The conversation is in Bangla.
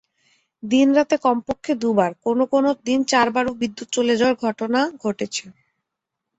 দিনরাতে কমপক্ষে দুবার, কোনো কোনো দিন চারবারও বিদ্যুৎ চলে যাওয়ার ঘটনা ঘটছে।